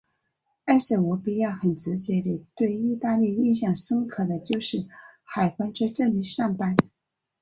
埃塞俄比亚很直接的对意大利印象深刻的就是海关在这里上班。